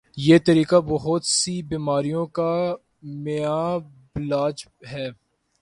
یہ طریقہ بہت سی بیماریوں کا کامیابعلاج ہے